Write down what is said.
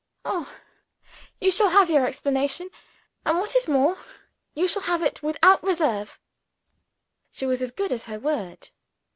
Oh, you shall have your explanation and, what is more, you shall have it without reserve!" She was as good as her word.